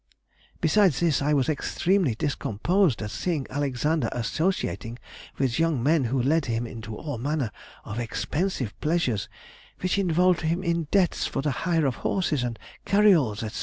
Besides this, I was extremely discomposed at seeing Alexander associating with young men who led him into all manner of expensive pleasures which involved him in debts for the hire of horses and carioles, &c.